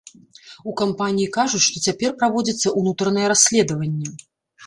У кампаніі кажуць, што цяпер праводзіцца ўнутранае расследаванне.